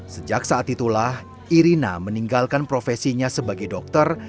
sejak saat itulah irina meninggalkan profesinya sebagai dokter